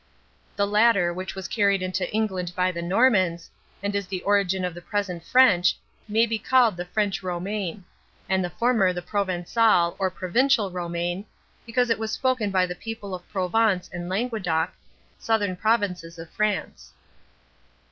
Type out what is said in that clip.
The latter, which was carried into England by the Normans, and is the origin of the present French, may be called the French Romane; and the former the Provencal, or Provencial Romane, because it was spoken by the people of Provence and Languedoc, southern provinces of France.